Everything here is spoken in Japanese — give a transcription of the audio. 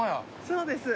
「そうです」